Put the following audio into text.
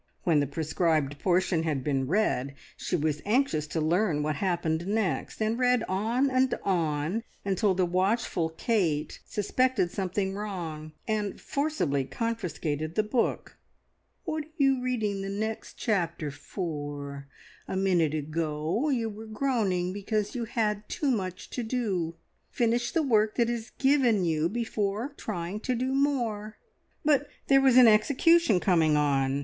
When the prescribed portion had been read, she was anxious to learn what happened next, and read on and on until the watchful Kate suspected something wrong, and forcibly confiscated the book. "What are you reading the next chapter for? A minute ago you were groaning because you had too much to do. Finish the work that is given you before trying to do more!" "But there was an execution coming on.